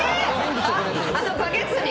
あのバケツに？